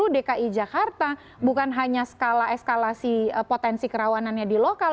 dki jakarta bukan hanya skala eskalasi potensi kerawanannya di lokal